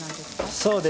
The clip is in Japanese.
そうです。